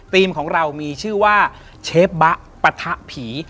ของเรามีชื่อว่าเชฟบะปะทะผี